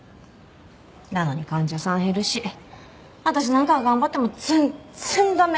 なのに患者さん減るし私なんかが頑張っても全然駄目。